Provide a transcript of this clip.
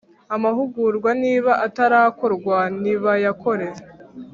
amahugurwa niba atarakorwa nibayakore